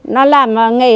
nó làm nghề